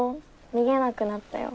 逃げなくなったよ。